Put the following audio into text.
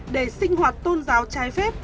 để sinh hoạt tôn giáo trái phép